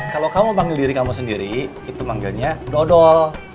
kalau kamu panggil diri kamu sendiri itu panggilnya dodol